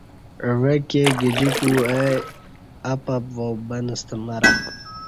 عوہ کی گجیکو اے اپپ وا بن ستہ مرہ